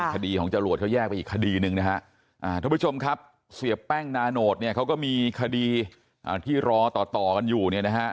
คดีของจรวดเขาแยกไปอีกคดีหนึ่งทุกผู้ชมครับเสียแป้งนานโหดเขาก็มีคดีที่รอต่อกันอยู่